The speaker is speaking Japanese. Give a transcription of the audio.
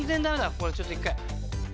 これちょっと一回。